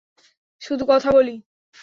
শুধু কথা বলি!